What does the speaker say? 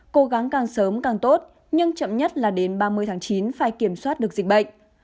cố gắng càng sớm càng tốt nhưng chậm nhất là đến ba mươi tháng chín phải kiểm soát được dịch bệnh